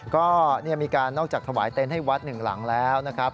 ก็มีการนอกจากถวายเต็นต์ให้วัดหนึ่งหลังแล้วนะครับ